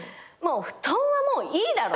布団はもういいだろ。